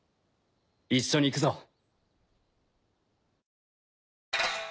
一緒に行くぞ。